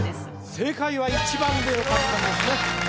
正解は１番でよかったんですね